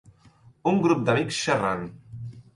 Un grup d'amics xerrant.